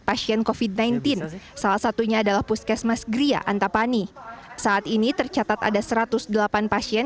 pasien kofit sembilan belas salah satunya adalah puskesmas gria antapani saat ini tercatat ada satu ratus delapan pasien